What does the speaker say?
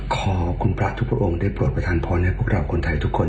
ขอคุณพระทุกพระองค์ได้โปรดประธานพรให้พวกเราคนไทยทุกคน